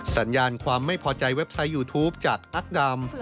สัญญาณความไม่พอใจเว็บไซต์ยูทูปจากอักดาม